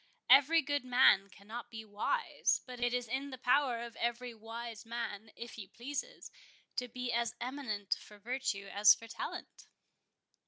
Every good man cannot be wise; but it is in the power of every wise man, if he pleases, to be as eminent for virtue as for talent."